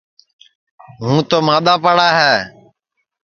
ہُوں تو مادؔا پڑا ہے